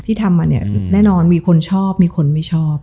ที่ทำมาเนี่ยแน่นอนมีคนชอบมีคนไม่ชอบ